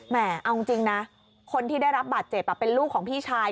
เอาจริงนะคนที่ได้รับบาดเจ็บเป็นลูกของพี่ชาย